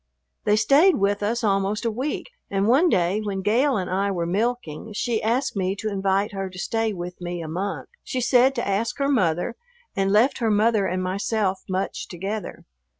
They stayed with us almost a week, and one day when Gale and I were milking she asked me to invite her to stay with me a month. She said to ask her mother, and left her mother and myself much together.